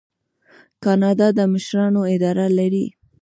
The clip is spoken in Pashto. کاناډا د مشرانو اداره لري.